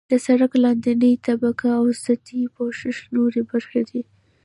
د سرک لاندنۍ طبقه او سطحي پوښښ نورې برخې دي